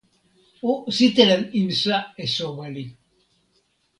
o sitelen insa e soweli.